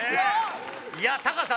いやタカさん